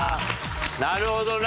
なるほどな！